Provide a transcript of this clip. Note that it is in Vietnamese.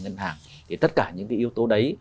ngân hàng thì tất cả những cái yếu tố đấy